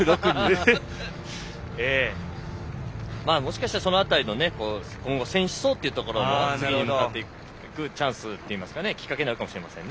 もしかしたらその辺りの選手層も次に向かっていくチャンスといいますかきっかけになるかもしれません。